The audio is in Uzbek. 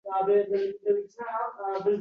Hamma birdan qabul qilolmasligi mumkin.